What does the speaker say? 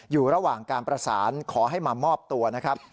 อยู่ระหว่างการประสานขอให้มามอบตัวนะครับ